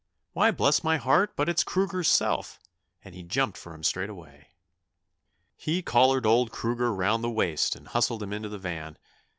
Why, bless my heart, but it's Kruger's self,' and he jumped for him straight away. He collared old Kruger round the waist and hustled him into the van.